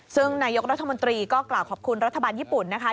ซึ่งนายกรัฐมนตรีก็กล่าวขอบคุณรัฐบาลญี่ปุ่นนะคะ